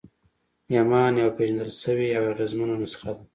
ایمان یوه پېژندل شوې او اغېزمنه نسخه ده